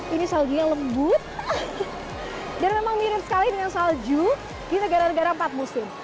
ini salju yang lembut dan memang mirip sekali dengan salju di negara negara empat musim